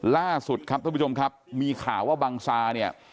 ล่าสุดครับท่านผู้ชมครับมีข่าวว่าบังซาเนี่ย